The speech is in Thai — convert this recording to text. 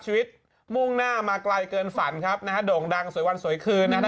มุ่งหน้ามาไกลเกินฝันครับโด่งดังสวยวันสวยคืน